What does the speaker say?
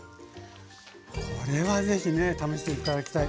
これはぜひね試して頂きたい。